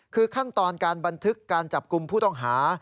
คือขั้นตอนการบันทึกการจับกลุ่มผู้ต้องหา